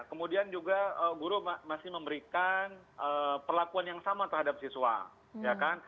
kemudian juga guru masih memberikan perlakuan yang sama terhadap siswa ya kan